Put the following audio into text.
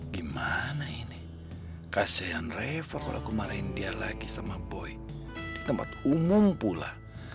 gimana ini kasihan revo kalau kemarin dia lagi sama boy di tempat umum pula